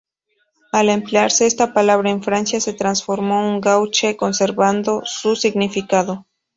Al emplearse esta palabra en Francia se transformó en ""gouache"" conservando su significado.